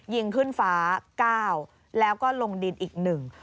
ยิงขึ้นฟ้าเก้าแล้วก็ลงดินอีกหนึ่ง